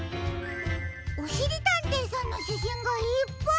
おしりたんていさんのしゃしんがいっぱい！